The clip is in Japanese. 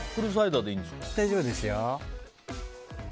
大丈夫ですよ。